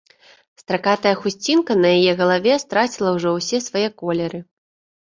Стракатая хусцінка на яе галаве страціла ўжо ўсе свае колеры.